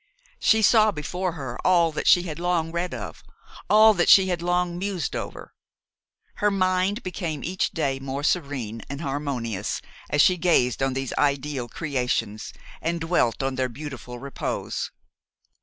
She saw before her all that she had long read of, all that she had long mused over. Her mind became each day more serene and harmonious as she gazed on these ideal creations, and dwelt on their beautiful repose.